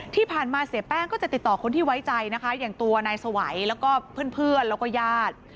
ที่ผ่านมาเสียแป้งก็จะติดต่อคนที่ไว้ใจนะคะอย่างตัวนายสวัยแล้วก็เพื่อนแล้วก็ญาติ